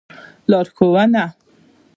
لار ښوونه